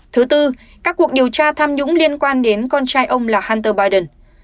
thứ tư các cuộc điều tra tham nhũng liên quan đến con trai ông là hunter biden